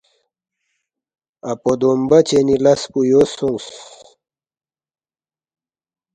اپو دومبہ چنی لس پو یو سونگس